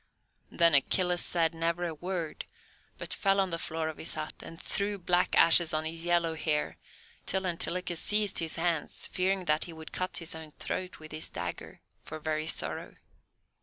Then Achilles said never a word, but fell on the floor of his hut, and threw black ashes on his yellow hair, till Antilochus seized his hands, fearing that he would cut his own throat with his dagger, for very sorrow.